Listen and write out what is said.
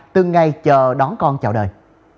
từng ngày chờ đón con chào đời